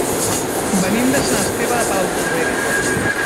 Venim de Sant Esteve de Palautordera.